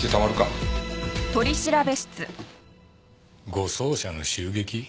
護送車の襲撃？